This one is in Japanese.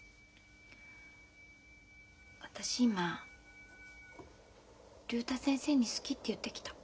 私今竜太先生に「好き」って言ってきた。